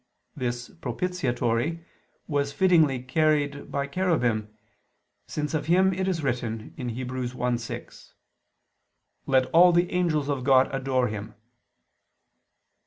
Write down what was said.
This propitiatory was fittingly carried by cherubim, since of Him it is written (Heb. 1:6): "Let all the angels of God adore Him."